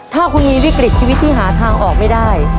ถ้าคุณมีวิกฤตชีวิตที่หาทางออกไม่ได้